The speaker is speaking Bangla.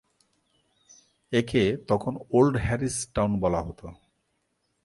একে তখন ওল্ড হ্যারিস টাউন বলা হতো।